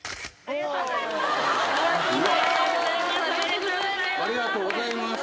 おめでとうございます。